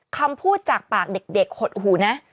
คำพูดจากปากเด็กหดหูนะ